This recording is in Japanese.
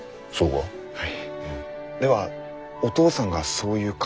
はい。